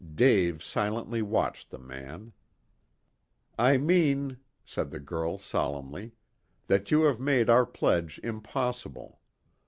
Dave silently watched the man. "I mean," said the girl solemnly, "that you have made our pledge impossible.